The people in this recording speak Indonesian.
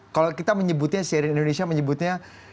kalau kita menyebutnya cnn indonesia menyebutnya